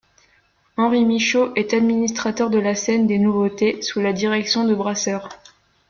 Henri Micheau est administrateur de la scène des Nouveautés sous la direction de Brasseur.